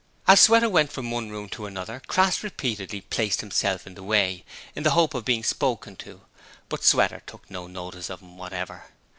As Sweater went from one room to another Crass repeatedly placed himself in the way in the hope of being spoken to, but Sweater took no notice of him whatever.